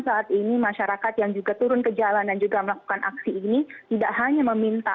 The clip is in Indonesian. saat ini masyarakat yang juga turun ke jalan dan juga melakukan aksi ini tidak hanya meminta